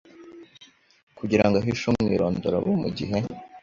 kugirango ahishe umwirondoro we mugihe